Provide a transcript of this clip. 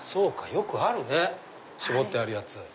よくあるね絞ってあるやつ。